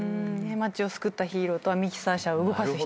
街を救ったヒーローとはミキサー車を動かす人たち。